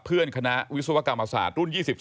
คณะวิศวกรรมศาสตร์รุ่น๒๒